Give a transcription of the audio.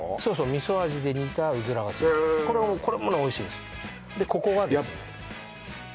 味噌味で煮たうずらがついたこれもおいしいんですでここがですね